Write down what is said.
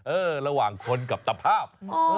เออระหว่างคนกับตภาพอ๋อ